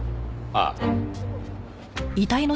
ああ。